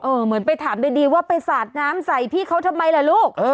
เหมือนไปถามดีว่าไปสาดน้ำใส่พี่เขาทำไมล่ะลูก